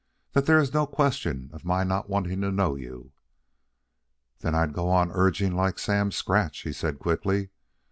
that there is no question of my not wanting to know you?" "Then I'd go on urging like Sam Scratch," he said quickly.